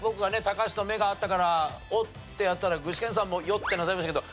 高橋と目が合ったから「おっ！」ってやったら具志堅さんも「よっ！」ってなさいましたけど